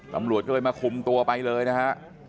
ตำรวจก็เลยมาคุมตัวไปเลยนะฮะ